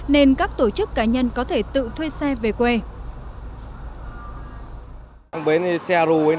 nên các tổ chức cá nhân có thể tự thuê xe về quê